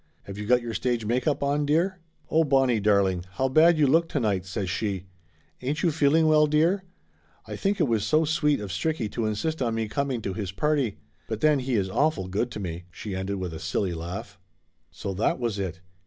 "Have you got your stage make up on, dear?" "Oh, Bonnie darling, how bad you look to night!" says she. "Ain't you feeling well, dear? I think it was so sweet of Stricky to insist on me coming to his party. But then he is awful good to me!" she ended with a silly laugh. So that was it!